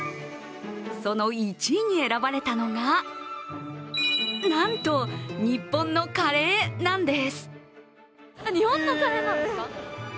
その１位に選ばれたのがなんと、日本のカレーなんです。